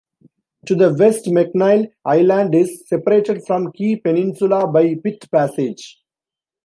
To the west McNeil Island is separated from Key Peninsula by Pitt Passage.